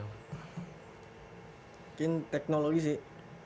mungkin teknologi sih